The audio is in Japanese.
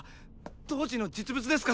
当時の実物ですか？